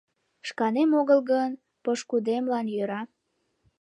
Шканем огыл гын, пошкудемлан йӧра